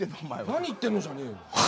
「何言ってんの」じゃねえよ。